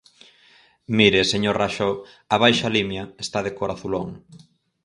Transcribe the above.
Mire, señor Raxó, a Baixa Limia, está de cor azulón.